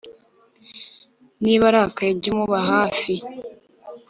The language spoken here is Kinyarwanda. niba arakaye jya umuba hafi